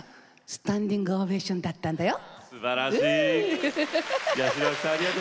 スタンディングオベーションだったんだよ。